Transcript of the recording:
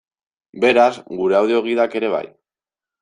Beraz, gure audio-gidak ere bai.